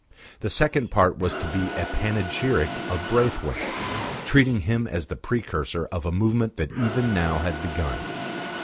The second part was to be a panegyric of Braithwaite, treating him as the Precursor of a movement that even now had begun.